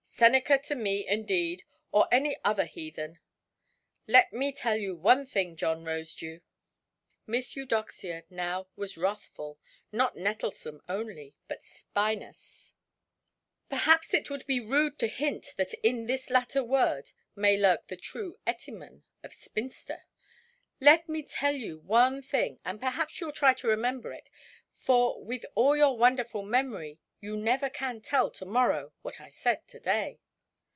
Seneca to me, indeed, or any other heathen! Let me tell you one thing, John Rosedew"—Miss Eudoxia now was wrathful, not nettlesome only, but spinous; perhaps it would be rude to hint that in this latter word may lurk the true etymon of "spinster"—"let me tell you one thing, and perhaps youʼll try to remember it; for, with all your wonderful memory, you never can tell to–morrow what I said to–day".